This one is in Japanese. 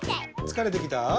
つかれてきた？